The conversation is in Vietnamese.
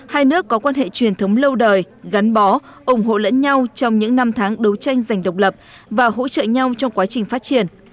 hai nước có quan hệ truyền thống lâu đời gắn bó ủng hộ lẫn nhau trong những năm tháng đấu tranh giành độc lập và hỗ trợ nhau trong quá trình phát triển